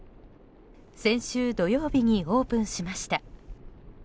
先週土曜日にオープンしました。